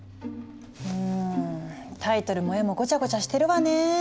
うんタイトルも画もごちゃごちゃしてるわね。